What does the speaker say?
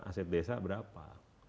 aset desa berapa